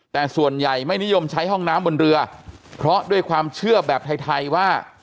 แต่ส่วนใหญ่ไม่นิยมใช้ห้องน้ำบนเรือเพราะด้วยความเชื่อแบบไทยว่า